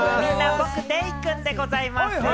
僕、デイくんでございます。